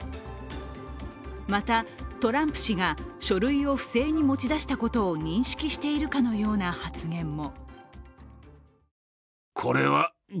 またトランプ氏が、書類を不正に持ち出したことを認識しているかのような発言も。